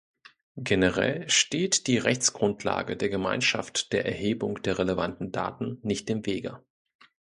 Generell steht die Rechtsgrundlage der Gemeinschaft der Erhebung der relevanten Daten nicht im Wege.